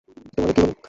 তোমার এ কী হল!